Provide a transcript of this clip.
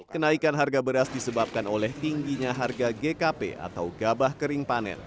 kenaikan harga beras disebabkan oleh tingginya harga gkp atau gabah kering panen